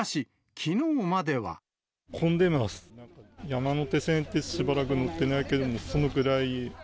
山手線ってしばらく乗ってないけども、そのくらい。